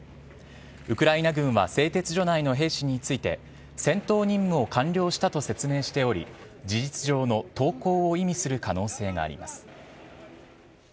ウクライナ軍は製鉄所内の兵士について、戦闘任務を完了したと説明しており、事実上の投降を意味する可能性があります。